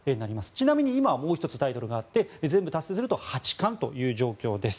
ちなみに今もう１つタイトルがあって全部達成すると八冠という状況です。